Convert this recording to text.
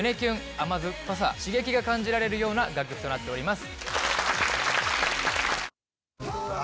甘酸っぱさ刺激が感じられるような楽曲となっております。